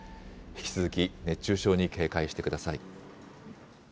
引き続き熱中症に警戒してください。